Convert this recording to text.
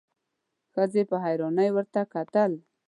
ښځې په حيرانۍ ورته کتل: